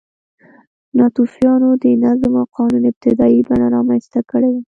ناتوفیانو د نظم او قانون ابتدايي بڼه رامنځته کړې وه